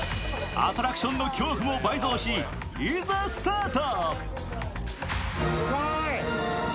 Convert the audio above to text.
アトラクションの恐怖も倍増し、いざスタート。